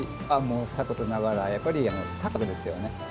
味はさることながらやっぱり、たんぱくですよね。